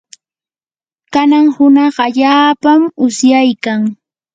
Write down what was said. kanan hunaq allaapam usyaykan.